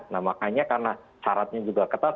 nah makanya karena syaratnya juga ketat